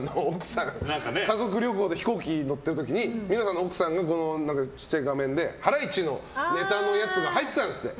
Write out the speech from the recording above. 家族旅行で飛行機に乗ってる時に三村さんの奥さんが小さい画面でハライチのネタのやつが入ってたんですって。